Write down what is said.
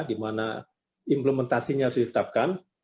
di mana implementasinya harus ditetapkan